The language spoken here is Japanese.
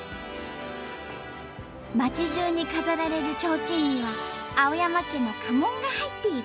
町じゅうに飾られる提灯には青山家の家紋が入っている。